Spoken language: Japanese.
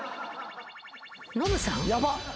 ノブさん。